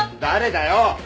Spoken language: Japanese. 誰だよ！